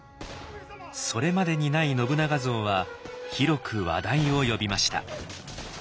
それまでにない信長像は広く話題を呼びました。